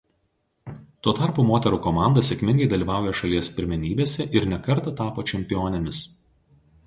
Tuo tarpu moterų komanda sėkmingai dalyvauja šalies pirmenybėse ir ne kartą tapo čempionėmis.